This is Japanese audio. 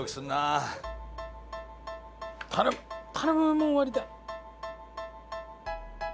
もう終わりたい。